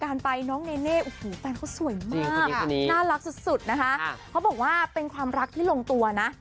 การไปน้องเนเน่โอ้โหแฟนเขาสวยมากน่ารักสุดสุดนะคะเขาบอกว่าเป็นความรักที่ลงตัวนะ